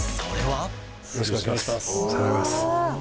よろしくお願いします。